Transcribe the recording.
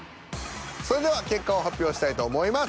それでは結果を発表したいと思います。